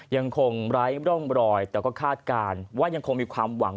ยังคงไร้ร่องรอยแต่ก็คาดการณ์ว่ายังคงมีความหวัง